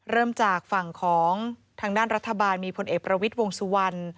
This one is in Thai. เริ่มจากฝั่งของทางด้านรัฐบาลมีพลเอกประวิทย์วงสุวรรณ